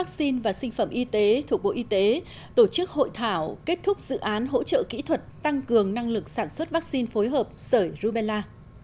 vaccine và sinh phẩm y tế thuộc bộ y tế tổ chức hội thảo kết thúc dự án hỗ trợ kỹ thuật tăng cường năng lực sản xuất vaccine phối hợp sởi rubella